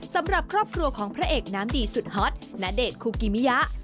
สำหรับครอบครัวของพระเอกน้ำดีสุดฮอตณเดชน์คุกิมิยะ